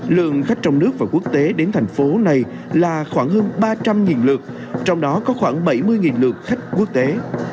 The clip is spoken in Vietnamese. lượng khách trong nước và quốc tế đến thành phố này là khoảng hơn ba trăm linh lượt trong đó có khoảng bảy mươi lượt khách quốc tế